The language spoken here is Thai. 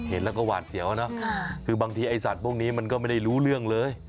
เห็นแล้วก็หวาดเสียวเนอะคือบางทีไอ้สัตว์พวกนี้มันก็ไม่ได้รู้เรื่องเลย